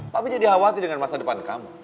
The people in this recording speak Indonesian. tapi jadi khawatir dengan masa depan kamu